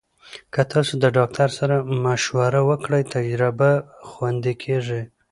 که تاسو د ډاکټر سره مشوره وکړئ، تجربه خوندي کېږي.